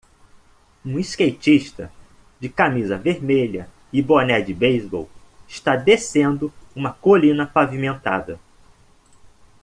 Um skatista de camisa vermelha e boné de beisebol está descendo uma colina pavimentada.